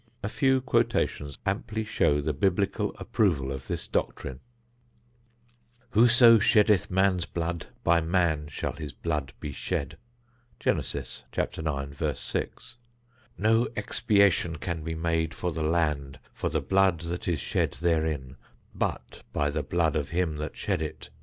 A few quotations amply show the Biblical approval of this doctrine: Whoso sheddeth man's blood, by man shall his blood be shed. Genesis 9;6. No expiation can be made for the land for the blood that is shed therein, but by the blood of him that shed it.